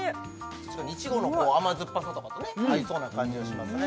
確かにイチゴの甘酸っぱさとかと合いそうな感じがしますね